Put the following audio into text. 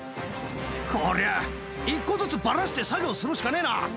こりゃ、１個ずつばらして作業するしかねえな。